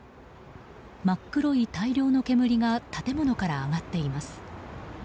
真っ黒い大量の煙が建物から上がっています。